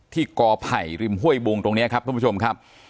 กอไผ่ริมห้วยบุงตรงนี้ครับท่านผู้ชมครับ